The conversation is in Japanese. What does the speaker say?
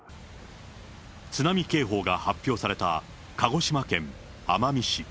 津波警報が発表された鹿児島県奄美市。